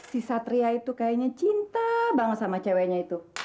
si satria itu kayaknya cinta banget sama ceweknya itu